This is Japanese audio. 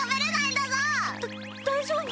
だ大丈夫。